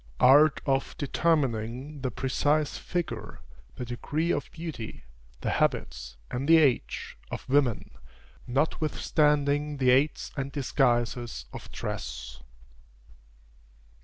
ART OF DETERMINING THE PRECISE FIGURE, THE DEGREE OF BEAUTY, THE HABITS, AND THE AGE, OF WOMEN, NOTWITHSTANDING THE AIDS AND DISGUISES OF DRESS.